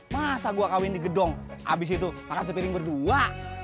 masa gue kawin di gedong habis itu makan sepiring berdua